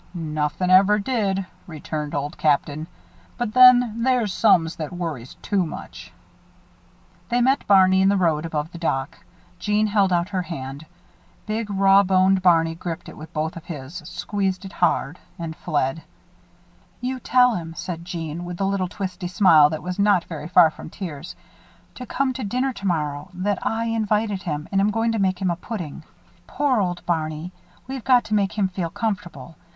"Nothin' ever did," returned Old Captain. "But then, there's some that worries too much." They met Barney in the road above the dock. Jeanne held out her hand. Big, raw boned Barney gripped it with both of his, squeezed it hard and fled. "You tell him," said Jeanne, with the little twisty smile that was not very far from tears, "to come to dinner tomorrow that I invited him and am going to make him a pudding. Poor old Barney! We've got to make him feel comfortable.